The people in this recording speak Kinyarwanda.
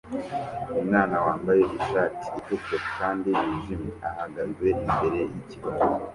Umwana wambaye ishati itukura kandi yijimye ahagaze imbere yikibaho